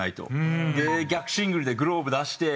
逆シングルでグローブ出して。